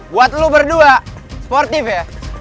buat lo berdua sportif ya